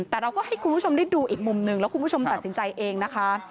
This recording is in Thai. แต่เราก็ให้คุณผู้ชมได้ดูอีกมุมหนึ่งแล้วคุณผู้ชมตัดสินใจเองนะคะ